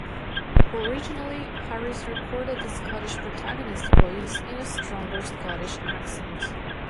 Originally, Harris recorded the Scottish protagonist's voice in a stronger Scottish accent.